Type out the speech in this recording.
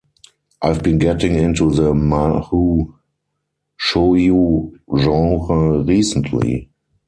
I’ve been getting into the mahou shoujo genre recently.